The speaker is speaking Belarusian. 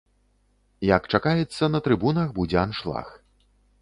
Як чакаецца, на трыбунах будзе аншлаг.